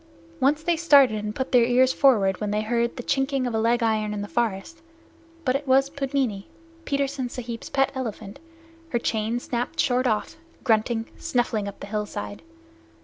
Once they started and put their ears forward when they heard the chinking of a leg iron in the forest, but it was Pudmini, Petersen Sahib's pet elephant, her chain snapped short off, grunting, snuffling up the hillside.